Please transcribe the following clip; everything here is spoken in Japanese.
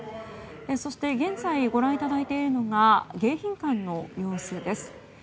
そして現在ご覧いただいているのが迎賓館の様子です。